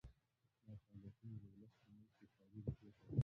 دا فعالیتونه د ولس په منځ کې کاري روحیه پیدا کوي.